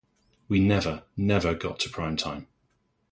We never, never got to prime time.